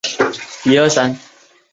本籍台北。